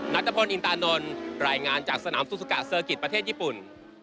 ัตตะพลอินตานนท์รายงานจากสนามซูซะเซอร์กิจประเทศญี่ปุ่น